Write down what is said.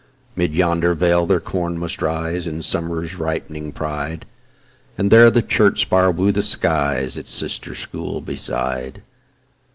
'Mid yonder vale their corn must rise In Summer's ripening pride, And there the church spire woo the skies Its sister school beside.